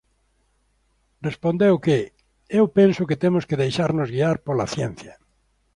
Respondeu que "Eu penso que temos que deixarnos guiar pola ciencia.